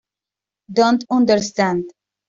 Don´t Understand.